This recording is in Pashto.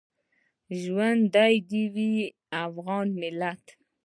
ژوندی دې وي افغان ملت